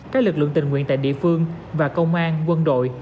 các lực lượng tình nguyện tại địa phương và công an quân đội